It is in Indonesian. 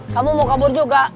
kamu mau kabur juga